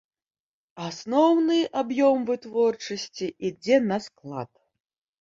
Асноўны аб'ём вытворчасці ідзе на склад.